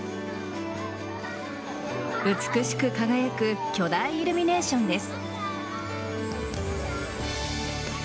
美しく輝く巨大イルミネーションです。